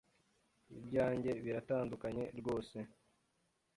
Ibyanjye biratandukanye rwose.